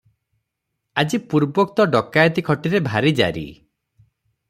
ଆଜି ପୂର୍ବୋକ୍ତ ଡକାଏତି ଖଟିରେ ଭାରି ଜାରି ।